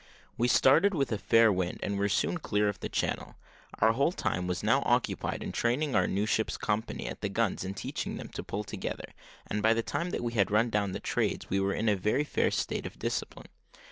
We started with a fair wind, and were soon clear of the Channel. Our whole time was now occupied in training our new ship's company at the guns and teaching them to pull together; and by the time that we had run down the trades, we were in a very fair state of discipline.